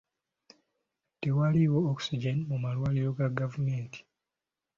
Tewaliiwo oxygen mu malwaliro ga gavumenti